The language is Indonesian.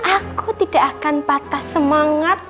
aku tidak akan patah semangat